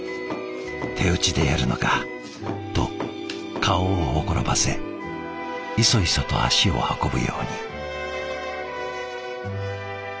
「手打ちでやるのか」と顔をほころばせいそいそと足を運ぶように。